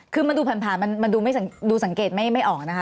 คือมันดูผ่านมันดูสังเกตไม่ออกนะคะ